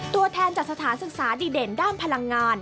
ตัวแทนจากสถานศึกษาดีเด่นด้านพลังงาน